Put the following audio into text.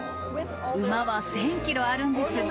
馬は１０００キロあるんです。